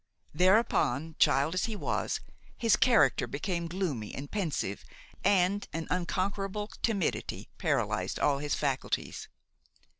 Thereupon, child as he was, his character became gloomy and pensive and an unconquerable timidity paralyzed all his faculties.